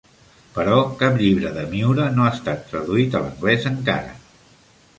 Però cap llibre de Miura no ha estat traduït a l'anglès encara.